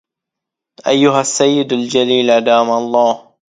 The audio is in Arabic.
أيها السيد الجليل أدام الله